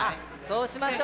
そうしましょう。